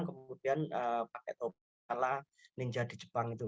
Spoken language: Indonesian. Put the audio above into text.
kemudian pakai topi setelah ninja di jepang itu